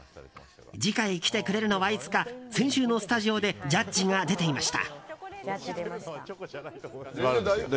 次回来てくれるのはいつか先週のスタジオでジャッジが出ていました。